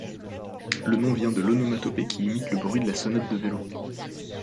Le nom vient de l'onomatopée qui imite le bruit de la sonnette de vélo.